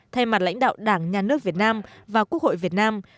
thay mặt lãnh đạo đảng nhà nước việt nam và quốc hội việt nam